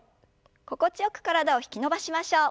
心地よく体を引き伸ばしましょう。